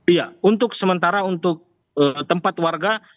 iya untuk sementara untuk tempat warga